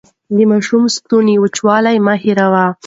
د ماشوم د ستوني وچوالی مه هېروئ.